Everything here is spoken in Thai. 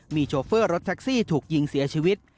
มีโชเฟอร์รถแท็กซี่ถูกยิงเสียชีวิต